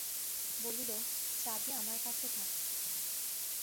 বলিল, চাবি আমার কাছে থাক।